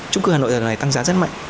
trung cư hà nội giờ này tăng giá rất mạnh